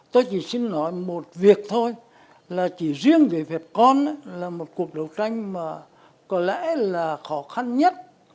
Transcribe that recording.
tôi chỉ xin nói một việc thôi là chỉ riêng về việt con là một cuộc đấu tranh mà có lẽ là khó khăn nhất